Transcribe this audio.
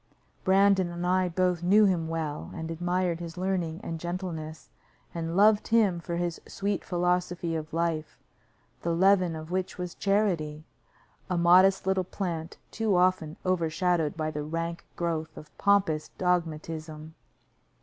Brandon and I both knew him well, and admired his learning and gentleness, and loved him for his sweet philosophy of life, the leaven of which was charity a modest little plant too often overshadowed by the rank growth of pompous dogmatism.